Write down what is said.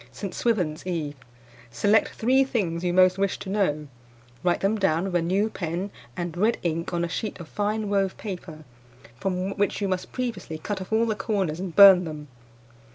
"St. Swithin's Eve. Select three things you most wish to know; write them down with a new pen and red ink on a sheet of fine wove paper, from which you must previously cut off all the corners and burn them.